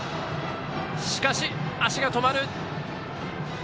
しかし、足が止まる。